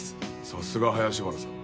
さすが、林原さん。